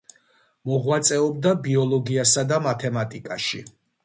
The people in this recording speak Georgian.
მოღვაწეობდა ბიოლოგიასა და მათემატიკაში.